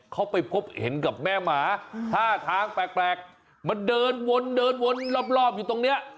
เขาไปพบเห็นกับแม่หมาท่าทางแปลกมันเดินวนเดินวนรอบอยู่ตรงนี้